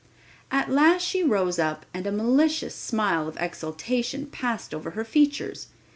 At last she rose up and a malicious smile of exultation passed over her features.